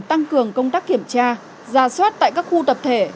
tăng cường công tác kiểm tra ra soát tại các khu tập thể